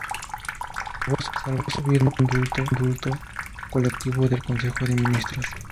Salvó su vida por un indulto colectivo del Consejo de ministros.